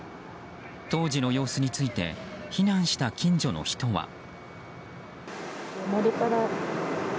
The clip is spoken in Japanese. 当時の様子について避難した近所の人は。